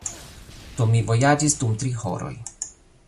Do, mi vojaĝis dum tri horoj.